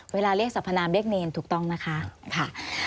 เวลาเรียกสัพพนามเรียกเนรถูกต้องนะคะ